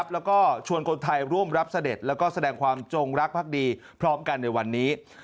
แล้วก็ชวนคนไทยร่วมรับเสด็จแล้วก็แสดงความจงรักภักดีพร้อมกันในวันนี้